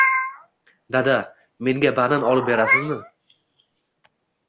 Dada, menga banan olib berasizmi?